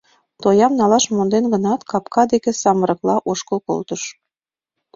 Тоям налаш монден гынат, капка деке самырыкла ошкыл колтыш.